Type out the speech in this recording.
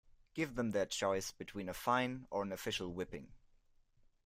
Give them their choice between a fine or an official whipping.